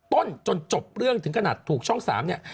จนจบเรื่องถึงขนาดถูกช่อง๓เนี่ย